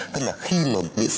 tức là khi mà bị xây dựng